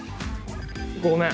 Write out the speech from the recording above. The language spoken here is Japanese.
ごめん。